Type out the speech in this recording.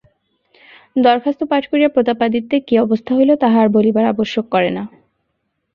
দরখাস্ত পাঠ করিয়া প্রতাপাদিত্যের কী অবস্থা হইল তাহা আর বলিবার আবশ্যক করে না।